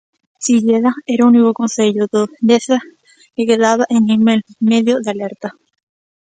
Silleda era o único concello do Deza que quedaba en nivel medio de alerta.